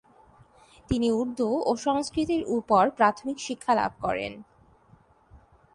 তিনি উর্দু ও সংস্কৃতের উপর প্রাথমিক শিক্ষা লাভ করেন।